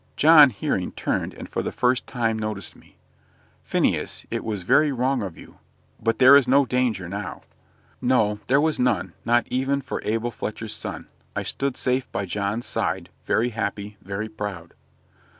John, hearing, turned, and for the first time noticed me. "Phineas, it was very wrong of you; but there is no danger now." No, there was none not even for Abel Fletcher's son. I stood safe by John's side, very happy, very proud.